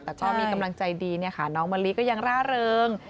แต่ก็มีกำลังใจดีเนี่ยค่ะน้องมะลิก็ยังร่าเริง